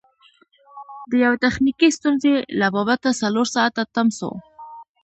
د یوې تخنیکي ستونزې له با بته څلور ساعته تم سو.